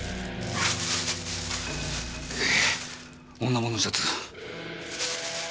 女物のシャツが。